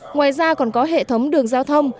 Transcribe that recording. ngoài ra còn có hệ thống đường giao thông